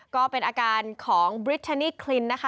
ก็เป็นอาการของบริชานี่คลินนะคะ